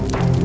gak mau kali